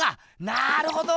なるほど！